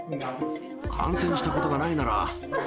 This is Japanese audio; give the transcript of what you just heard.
感染したことがないなら。